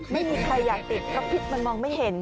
ไม่มีใครอยากติดเพราะพิษมันมองไม่เห็น